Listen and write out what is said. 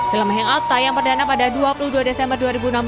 film hangout tayang perdana pada dua puluh dua desember dua ribu enam belas